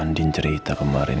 andin cerita kemarin